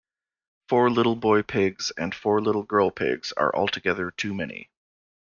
Four little boy pigs and four little girl pigs are altogether too many.